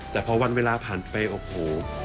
แต่พอวันเวลาผ่านไปโอ้โห